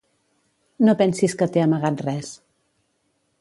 No pensis que t'he amagat res.